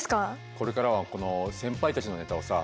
これからはこの先輩たちのネタをさ